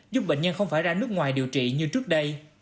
giúp bệnh nhân không phải ra nước ngoài điều trị như trước đây